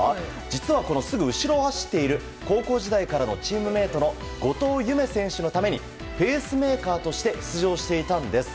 実はこのすぐ後ろを走っている高校時代からのチームメートの後藤夢選手のためにペースメーカーとして出場していたんです。